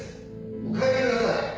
お帰りください！